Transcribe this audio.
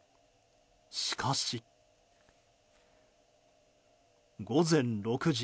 しかし。午前６時。